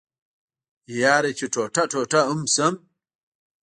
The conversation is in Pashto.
يره چې ټوټه ټوټه ام شم.